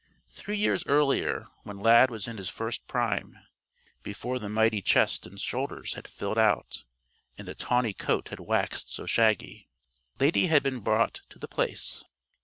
Three years earlier, when Lad was in his first prime (before the mighty chest and shoulders had filled out and the tawny coat had waxed so shaggy), Lady had been brought to The Place.